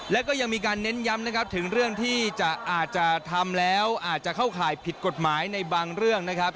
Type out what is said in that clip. แล้วก็ยังมีการเน้นย้ำนะครับถึงเรื่องที่จะอาจจะทำแล้วอาจจะเข้าข่ายผิดกฎหมายในบางเรื่องนะครับ